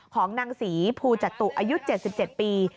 ของนางศรีภูจตุอายุ๗๗ปี